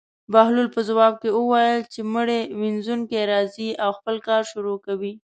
بهلول په ځواب کې وویل: چې مړي وينځونکی راځي او خپل کار شروع کوي.